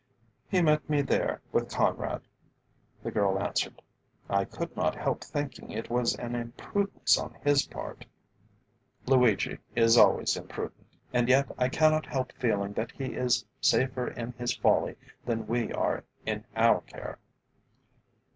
"He met me there, with Conrad," the girl answered. "I could not help thinking that it was an imprudence on his part." "Luigi is always imprudent; and yet I cannot help feeling that he is safer in his folly than we are in our care.